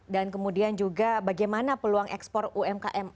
dan kemudian juga bagaimana peluang ekspor umkm